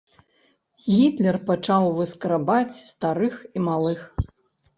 Гітлер пачаў выскрабаць старых і малых.